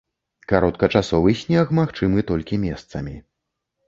Кароткачасовы снег магчымы толькі месцамі.